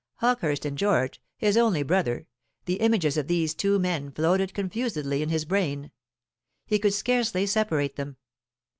Hawkehurst and George his only brother the images of these two men floated confusedly in his brain: he could scarcely separate them.